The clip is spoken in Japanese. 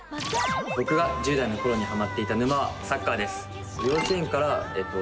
僕が１０代の頃にハマっていた沼はサッカーです。